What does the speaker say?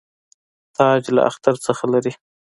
تاج له اختر څخه لري.